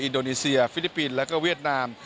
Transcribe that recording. อินโดนีเซียฟิลิปปินส์แล้วก็เวียดนาม